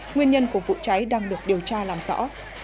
nguyên nhân của vụ cháy đang được điều tra làm rõ